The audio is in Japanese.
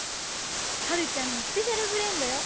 ハルちゃんのスペシャルブレンドよ。